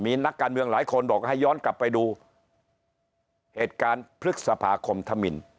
มีนักการเมืองหลายคนบอกให้ย้อนกลับไปดูเหตุการณ์พฤษภาคมธมิน